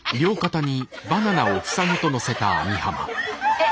えっ？